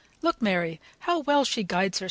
Look, Mary, how well she guides hersel."